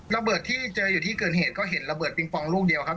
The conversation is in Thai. ระเบิดที่เจออยู่ที่เกิดเหตุก็เห็นระเบิดปิงปองลูกเดียวครับ